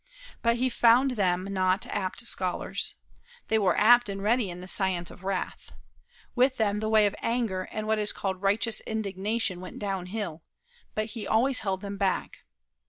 But he found them not apt scholars. They were apt and ready in the science of wrath. With them the way of anger and what is called righteous indignation went down hill, but he always held them back.